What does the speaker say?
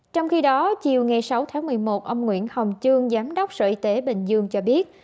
trong khi đó chiều ngày sáu tháng một mươi một ông nguyễn hồng trương giám đốc sở y tế bình dương cho biết